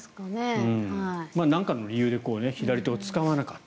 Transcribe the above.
何かの理由で左手を使わなかった。